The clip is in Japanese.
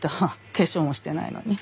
化粧もしてないのに。